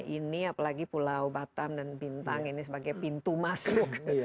ini apalagi pulau batam dan bintang ini sebagai pintu masuk